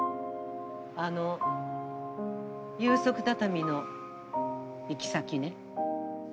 あの有職畳の行き先ね？